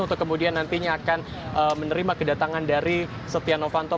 untuk kemudian nantinya akan menerima kedatangan dari setia novanto